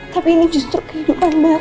tapi ini justru kehidupan baru